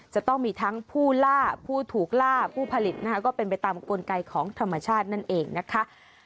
จะต้องมีทั้งผู้ล่าผู้ถูกล่าผู้ผลิตนะคะก็เป็นไปตามกลไกของธรรมชาตินั่นเองนะคะ